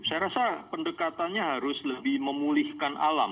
saya rasa pendekatannya harus lebih memulihkan alam